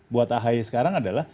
buat akhaya sekarang adalah